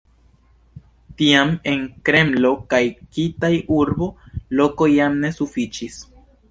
Tiam en Kremlo kaj Kitaj-urbo loko jam ne sufiĉis.